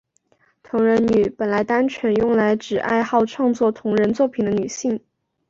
同人女本来单纯用来指爱好创作同人作品的女性。